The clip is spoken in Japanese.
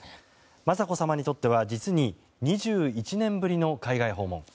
雅子さまにとっては実に２１年ぶりの海外訪問。